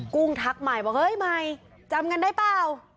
กุ้งทักใหม่บอกเฮ้ยใหม่จำกันได้เปล่า